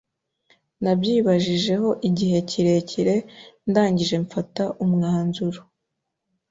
nabyibajijeho igihe kirekire ndangije mfata umwanzuro